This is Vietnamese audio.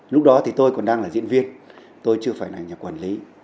lúc đó thì tôi còn đang là diễn viên tôi chưa phải là nhà quản lý